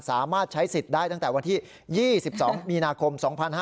สามารถใช้สิทธิ์ได้ตั้งแต่วันที่๒๒มีนาคม๒๕๕๙